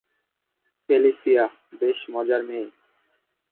Felicia বেশ মজার মেয়ে।